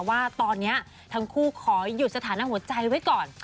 ว่าตอนนี้ทั้งคู่ขอหยุดสถานะหัวใจไว้ก่อน